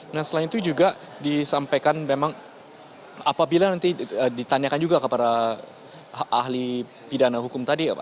nah selain itu juga disampaikan memang apabila nanti ditanyakan juga kepada ahli pidana hukum tadi ya pak